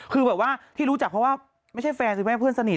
คือแบบว่าที่รู้จักเพราะว่าไม่ใช่แฟนสิแม่เพื่อนสนิท